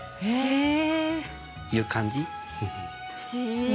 へえ！という感じ。